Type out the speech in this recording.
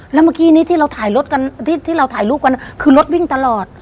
แล้วเมื่อกี้นี้ที่เราถ่ายรถกันที่เราถ่ายรูปกันคือรถวิ่งตลอด